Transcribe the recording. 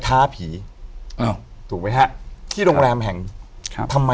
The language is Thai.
อยู่ที่แม่ศรีวิรัยิลครับ